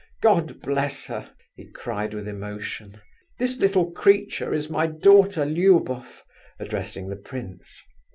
God bless her!" he cried with emotion. "This little creature is my daughter Luboff," addressing the prince.